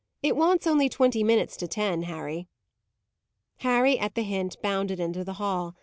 "It wants only twenty minutes to ten, Harry." Harry, at the hint, bounded into the hall.